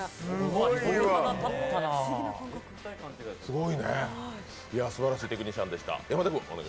すごいね、すばらしいテクニシャンでした。